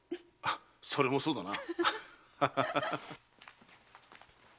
それもそうだな。